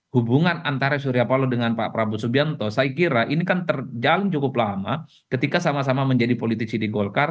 hubungan antara surya palo dengan pak prabowo subianto saya kira ini kan terjalin cukup lama ketika sama sama menjadi politisi di golkar